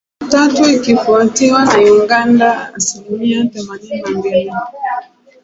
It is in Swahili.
Tatu ikifuatiwa na Uganda asilimia themanini na mbili